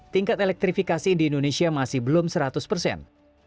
tingkat elektrifikasi di indonesia masih belum seratus persen